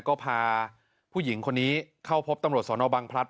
ก็พาผู้หญิงคนนี้เข้าพบตำรวจสนบังพลัด